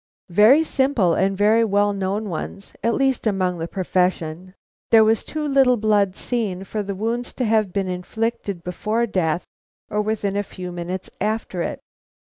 "Very simple and very well known ones; at least, among the profession. There was too little blood seen, for the wounds to have been inflicted before death or within a few minutes after it.